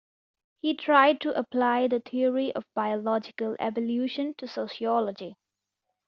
He tried to apply the theory of biological evolution to sociology.